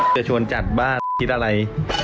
จะชวนจัดบ้านคิดอะไร